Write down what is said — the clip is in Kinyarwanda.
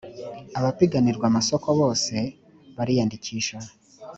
abapiganira amasoko bose bariyandikisha.